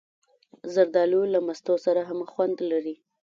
زردالو له مستو سره هم خوند لري.